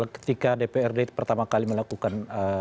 ketika dprd pertama kali melakukan